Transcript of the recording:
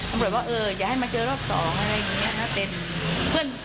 ตำรวจว่าเอออย่าให้มาเจอรอบสองอะไรอย่างนี้นะ